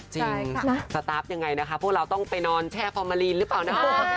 สตาร์ฟยังไงนะคะพวกเราต้องไปนอนแช่ฟอร์มาลีนหรือเปล่านะ